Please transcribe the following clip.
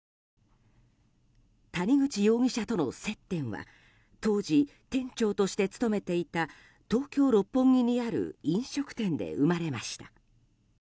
谷口容疑者との接点は当時、店長として勤めていた東京・六本木にある飲食店で生まれました。